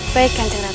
baik kanjeng ratu